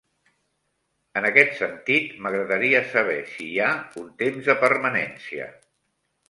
En aquest sentit, m'agradaria saber si hi ha un temps de permanència.